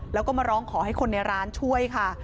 แล้วก็มาร้องขอให้คนในร้านช่วยค่ะ